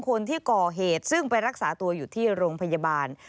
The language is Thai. คนที่ก่อเหตุซึ่งไปรักษาตัวอยู่ที่โรงพยาบาล